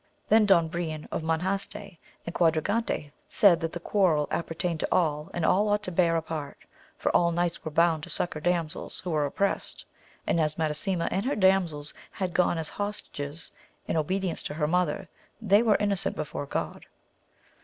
Then Don Brian of Monjaste and Quadragante said that the quarrel appertained to all, and all ought to bear a part, for all knights were bound to succour damsels who were opprest, and as Madasima and her damsels had gone as hostages in obedience to her mother, they were innocent before God.